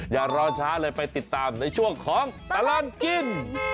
อย่ารอช้าเลยไปติดตามในช่วงของตลอดกิน